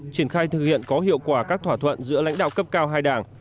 triển khai thực hiện có hiệu quả các thỏa thuận giữa lãnh đạo cấp cao hai đảng